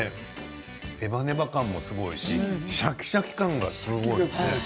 ネバネバ感もすごいしシャキシャキ感がすごい。